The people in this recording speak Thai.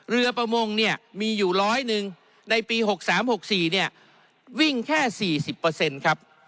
เรือประมงเนี่ยมีอยู่ร้อยหนึ่งในปี๖๓๖๔เนี่ยวิ่งแค่๔๐ครับ